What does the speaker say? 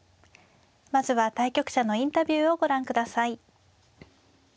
まずは対局者のインタビューをご覧ください。